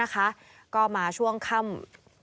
ก็มาช่วงค่ำ